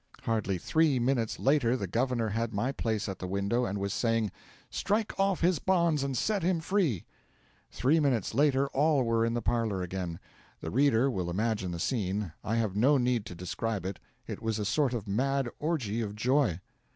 Hardly three minutes later the governor had my place at the window, and was saying: 'Strike off his bonds and set him free!' Three minutes later all were in the parlour again. The reader will imagine the scene; I have no need to describe it. It was a sort of mad orgy of joy.